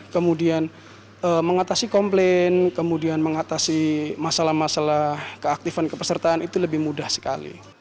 kemudian mengatasi komplain kemudian mengatasi masalah masalah keaktifan kepesertaan itu lebih mudah sekali